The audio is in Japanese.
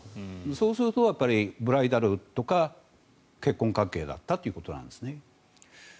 そうするとブライダルとか結婚関係だったということです。